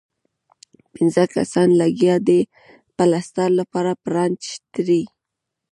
پنځۀ کسان لګيا دي پلستر لپاره پرانچ تړي